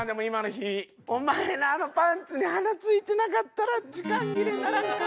お前のあのパンツに花ついてなかったら時間切れにならんかった。